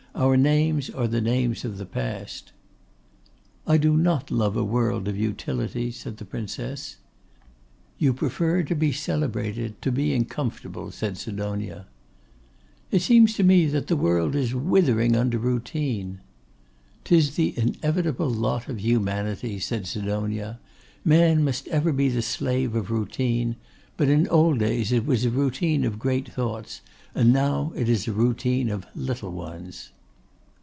'Our names are the names of the Past.' 'I do not love a world of Utility,' said the Princess. 'You prefer to be celebrated to being comfortable,' said Sidonia. 'It seems to me that the world is withering under routine.' ''Tis the inevitable lot of humanity,' said Sidonia. 'Man must ever be the slave of routine: but in old days it was a routine of great thoughts, and now it is a routine of little ones.